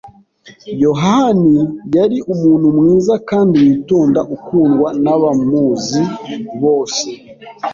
yohani yari umuntu mwiza kandi witonda, ukundwa nabamuzi bose.